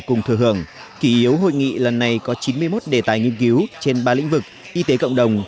cùng thừa hưởng chủ yếu hội nghị lần này có chín mươi một đề tài nghiên cứu trên ba lĩnh vực y tế cộng đồng